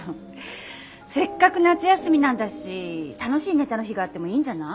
せっかく夏休みなんだし楽しいネタの日があってもいいんじゃない？